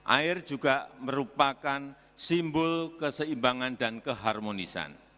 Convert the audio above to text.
air juga merupakan simbol keseimbangan dan keharmonisan